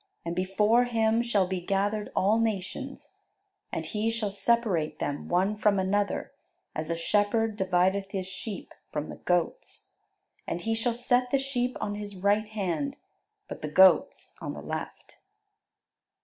And before Him shall be gathered all nations; and He shall separate them one from another, as a shepherd divideth his sheep from the goats. And He shall set the sheep on His right hand, but the goats on the left."